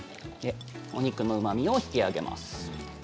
お肉のうまみを引き上げます。